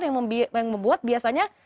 yang membuat biasanya